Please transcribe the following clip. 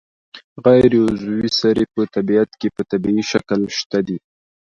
غیر عضوي سرې په طبیعت کې په طبیعي شکل شته دي.